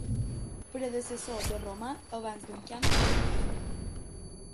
Predecessor de romà abans d'un canvi ben brusc.